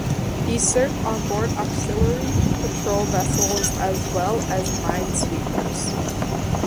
He served onboard auxiliary patrol vessels as well as minesweepers.